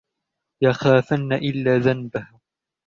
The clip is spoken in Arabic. يَخَافَنَّ إلَّا ذَنْبَهُ